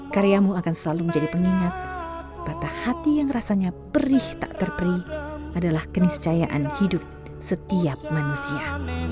karyamu akan selalu menjadi pengingat patah hati yang rasanya perih tak terperi adalah keniscayaan hidup setiap manusia